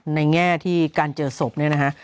ในแง่ที่การเจอศพนี้นะคะ